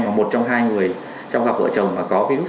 và một trong hai người trong gặp vợ chồng mà có virus